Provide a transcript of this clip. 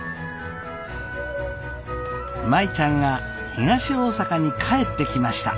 舞ちゃんが東大阪に帰ってきました。